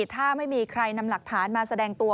ถ้าไม่มีใครนำหลักฐานมาแสดงตัว